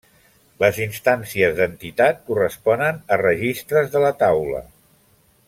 Les instàncies d'entitat corresponen a registres de la taula.